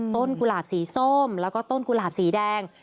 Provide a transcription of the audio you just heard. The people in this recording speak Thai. กุหลาบสีส้มแล้วก็ต้นกุหลาบสีแดง